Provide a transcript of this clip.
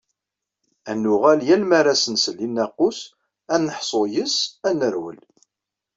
Ad nuɣal, yal ma ara as-nsell i nnaqus, ad neḥṣu yis-s, ad nerwel.